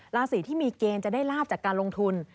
ราศีที่มีเกณฑ์จะได้ลาบจากการลงทุน